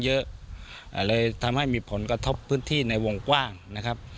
เยอะเลยทำให้มีผลกระทบพื้นที่ในวงกว้างนะครับ